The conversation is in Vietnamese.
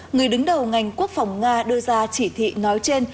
người đứng đầu ngành quốc phòng nga đưa ra chỉ thị nói trên